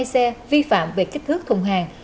một trăm bảy mươi hai xe vi phạm về kích thước thùng hàng